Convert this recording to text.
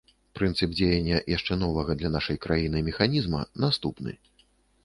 Прынцып дзеяння яшчэ новага для нашай краіны механізма наступны.